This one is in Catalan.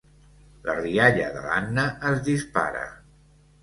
La rialla de l'Anna es dispara.